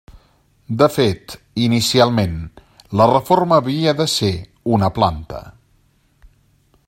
De fet, inicialment la reforma havia de ser una planta.